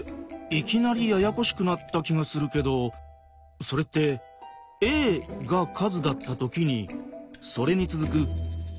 いきなりややこしくなった気がするけどそれって「『ａ』が数だった時にそれに続く『ａの次』も数だ」ってことだよね？